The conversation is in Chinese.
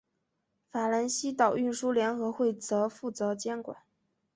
法兰西岛运输联合会则负责监管。